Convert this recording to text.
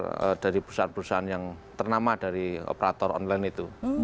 jadi yang terbesar dari perusahaan perusahaan yang ternama dari operator online itu